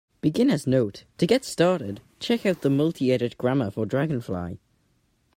Beginner's note: to get started, check out the multiedit grammar for dragonfly.